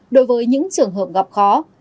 đối với những trường hợp gặp khó